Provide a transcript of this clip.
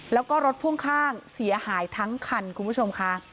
แล้วก็รถพ่วงข้างเสียหายทั้งคันคุณผู้ชมค่ะ